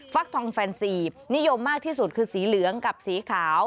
ฟักทองแฟนซีฟนิยมมากที่สุดคือสีเหลืองกับสีขาว